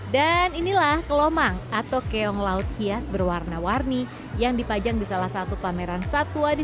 dan inilah kelomang atau keong laut hias berwarna warni yang dipajang di salah satu pameran satwa di